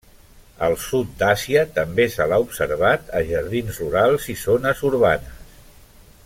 Al sud d'Àsia també se l'ha observat a jardins rurals i zones urbanes.